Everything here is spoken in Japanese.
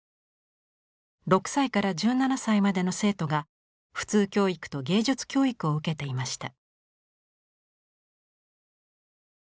６歳から１７歳までの生徒が普通教育と芸術教育を受けていました。